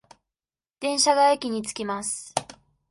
電車が駅に着きます。